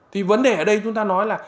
thì vấn đề ở đây chúng ta nói là